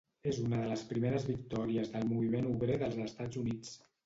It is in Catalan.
És una de les primeres victòries del moviment obrer dels Estats Units.